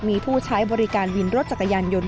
มีผู้ใช้บริการวินรถจักรยานยนต์